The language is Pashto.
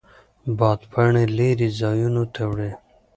باد پاڼې لرې ځایونو ته وړي.